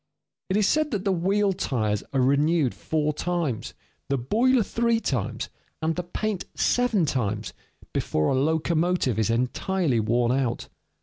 It is said that the wheel tires are renewed four times, the boiler three times, and the paint seven times, before a locomotive is entirely worn out.